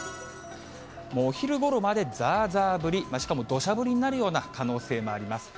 お昼ごろまでざーざー降り、しかもどしゃ降りになるような可能性もあります。